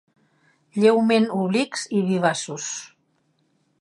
Lleument oblics i vivaços.